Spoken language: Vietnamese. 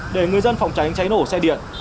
để người dân phòng tránh cháy nổ xe điện